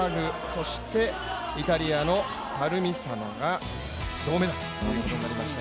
そしてイタリアのパルミサノが銅メダルということになりました。